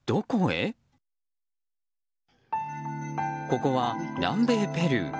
ここは南米ペルー。